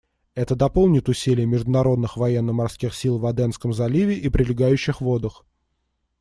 Это дополнит усилия международных военно-морских сил в Аденском заливе и прилегающих водах.